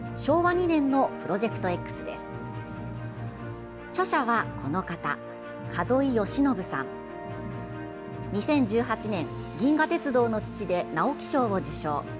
２０１８年「銀河鉄道の父」で直木賞を受賞。